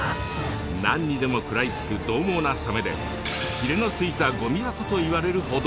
何にでも食らいつくどう猛なサメで「ヒレのついたゴミ箱」と言われるほど。